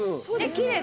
きれい！